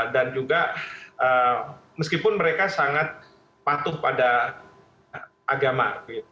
dan juga meskipun mereka sangat patuh pada agama